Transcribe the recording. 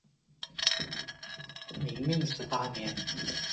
明命十八年。